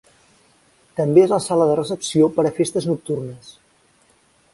També és la sala de recepció per a festes nocturnes.